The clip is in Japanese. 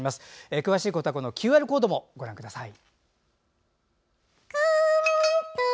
詳しくはＱＲコードもご覧ください。